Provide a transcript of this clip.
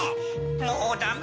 もうダメ。